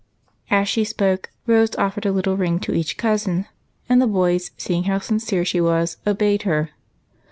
As she spoke. Rose offered a little ring to each cousin, and the boys, seeing how sincere she was, obeyed her.